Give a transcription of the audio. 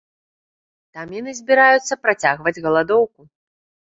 Там яны збіраюцца працягваць галадоўку.